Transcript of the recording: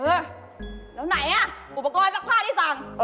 แล้วไหนอ่ะอุปกรณ์ซักผ้าที่สั่ง